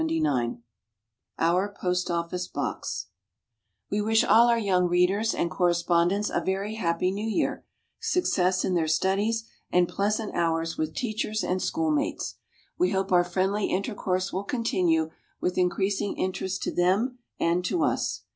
[Illustration: OUR POST OFFICE BOX] We wish all our young readers and correspondents a very happy New Year, success in their studies, and pleasant hours with teachers and school mates. We hope our friendly intercourse will continue, with increasing interest to them and to us.